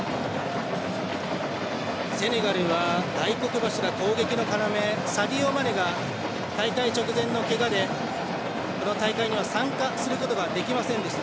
セネガルは大黒柱、攻撃の要サディオ・マネが大会直前のけがでこの大会に参加することができませんでした。